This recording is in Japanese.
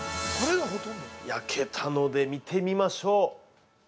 ◆焼けたので、見てみましょう。